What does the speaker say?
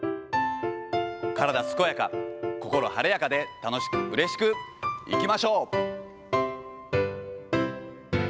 体健やか、心晴れやかで、楽しくうれしくいきましょう。